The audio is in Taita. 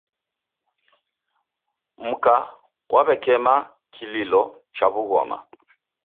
Mka wakema kililo cha w'ughoma